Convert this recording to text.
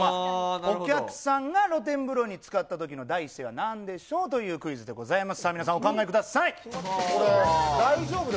お客さんが露天風呂につかったときの第一声はなんでしょうというクイズでございます。